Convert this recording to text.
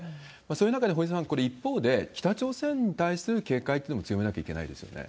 そういう中で、堀さん、これ、一方で、北朝鮮に対する警戒というのも強めなきゃいけないですよね。